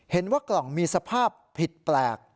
เห็นว่ากล่องมีสภาพผิดแปลก